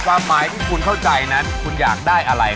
ความหมายที่คุณเข้าใจนั้นคุณอยากได้อะไร